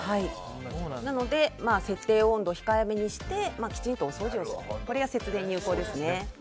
なので、設定温度を控えめにしてきちんとお掃除をするのが節電に有効です。